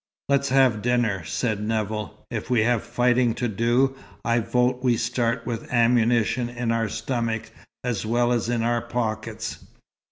"Let's have dinner," said Nevill. "If we have fighting to do, I vote we start with ammunition in our stomachs as well as in our pockets."